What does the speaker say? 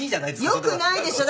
よくないでしょ。